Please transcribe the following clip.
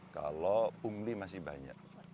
kalau pungli masih banyak